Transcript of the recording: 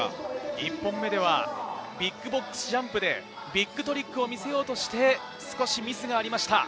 １本目はビッグボックスジャンプでビッグトリックを見せようとしてミスがありました。